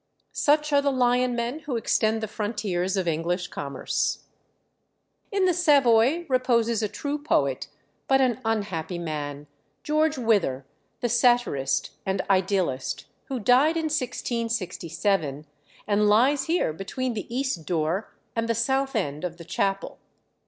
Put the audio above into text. Such are the lion men who extend the frontiers of English commerce. In the Savoy reposes a true poet, but an unhappy man George Wither, the satirist and idyllist, who died in 1667, and lies here between the east door and the south end of the chapel.